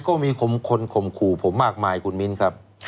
ก็มีคนข่มขู่ผมมากมายคุณมิ้นครับ